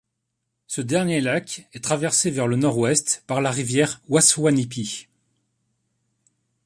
Ce dernier lac est traversé vers le Nord-Ouest par la rivière Waswanipi.